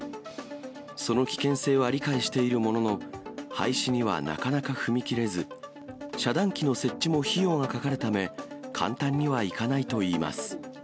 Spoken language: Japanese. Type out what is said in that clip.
その危険性は理解しているものの、廃止にはなかなか踏み切れず、遮断機の設置も費用がかかるため、簡単にはいかないといいます。